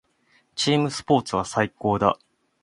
チームスポーツは最高だ。